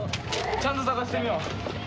ちゃんと捜してみよう。